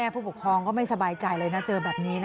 ผู้ปกครองก็ไม่สบายใจเลยนะเจอแบบนี้